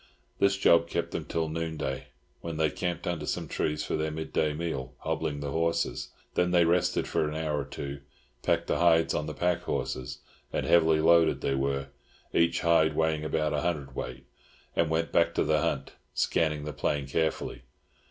This job kept them till noonday, when they camped under some trees for their midday meal, hobbling the horses. Then they rested for an hour or two, packed the hides on the pack horses (and heavily loaded they were, each hide weighing about a hundredweight), and went back to the hunt, scanning the plain carefully.